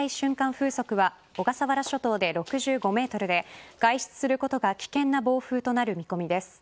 風速は小笠原諸島で６５メートルで外出することが危険な暴風となる見込みです。